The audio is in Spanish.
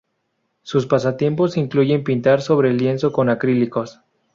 Sus pasatiempos incluyen pintar sobre lienzo con acrílicos.